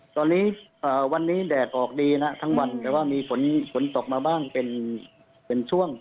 ตอนนี้วันนี้แดดออกดีนะทั้งวันแต่ว่ามีฝนตกมาบ้างเป็นช่วง